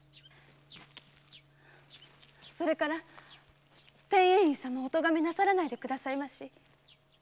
それから天英院様をお咎めなさらないでくださいまし。